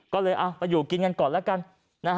ก็เลยไปอยู่กินกันก่อนแล้วกัน